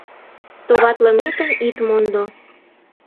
— Товатлыметым ит мондо!